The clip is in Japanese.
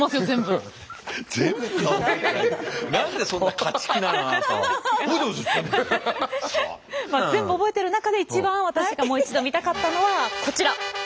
全部覚えてる中で一番私がもう一度見たかったのはこちら。